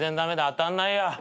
当たんないや。